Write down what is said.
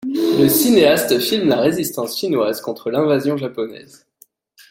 Le cinéaste filme la résistance chinoise contre l'invasion japonaise.